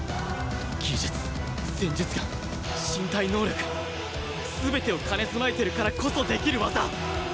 技術戦術眼身体能力全てを兼ね備えてるからこそできる技